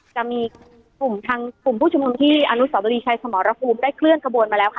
จะมีกลุ่มทางกลุ่มผู้ชุมนุมที่อนุสาวรีชัยสมรภูมิได้เคลื่อนขบวนมาแล้วค่ะ